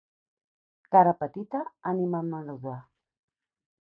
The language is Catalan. Cara petita, ànima menuda.